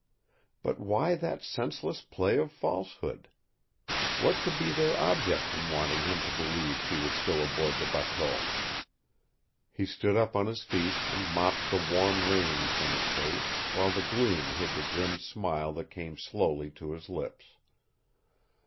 But why that senseless play of falsehood? What could be their object in wanting him to believe she was still aboard the bateau? He stood up on his feet and mopped the warm rain from his face, while the gloom hid the grim smile that came slowly to his lips.